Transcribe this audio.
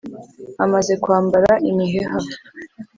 amaze kwambara imiheha